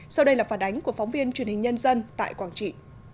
sau đây là phản ánh của phóng viên truyền hình nhân dân tại quảng trị